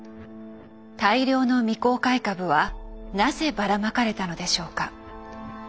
大量の未公開株はなぜばらまかれたのでしょうか。